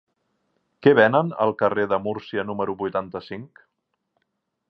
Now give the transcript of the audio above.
Què venen al carrer de Múrcia número vuitanta-cinc?